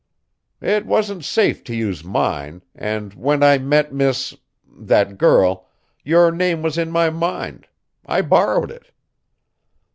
"It wasn't safe to use mine, and when I met Miss that girl your name was in my mind I borrowed it."